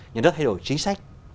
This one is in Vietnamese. nhà nước thay đổi chính sách